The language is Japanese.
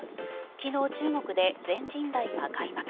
昨日、中国で全人代が開幕。